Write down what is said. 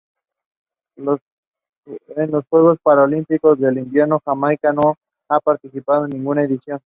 En los Juegos Paralímpicos de Invierno Jamaica no ha participado en ninguna edición.